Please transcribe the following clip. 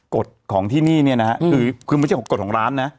กฎของที่นี่เนี่ยนะฮะคือไม่ใช่ของกฎของร้านนะ